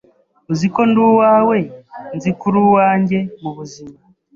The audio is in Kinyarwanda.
Uzi ko ndi uwawe, nzi ko uri uwanjye mubuzima